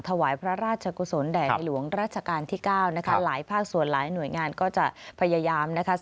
ถวายพระราชกุศลแด่ในหลวงราชการที่๙นะคะหลายภาคส่วนหลายหน่วยงานก็จะพยายามนะคะ